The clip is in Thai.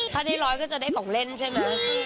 ถ้าได้๑๐๐คะแนนก็จะได้ของเล่นใช่ไหม